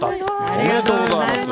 おめでとうございます。